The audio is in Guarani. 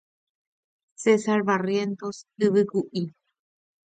César Barrientos Yvykuʼi.